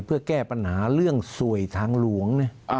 เพื่อแก้ปัญหาเรื่องสวยทางหลวง